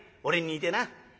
俺に似てな。